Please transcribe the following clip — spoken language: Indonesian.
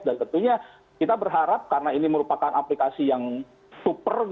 dan tentunya kita berharap karena ini merupakan aplikasi yang super